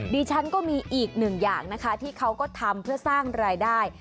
ดิฉันก็มีอีกหนึ่งอย่างนะคะที่เขาก็ทำเพื่อสร้างรายได้